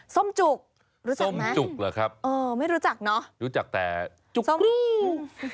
ส้มจุกรู้จักส้มจุกเหรอครับเออไม่รู้จักเนอะรู้จักแต่จุกส้ม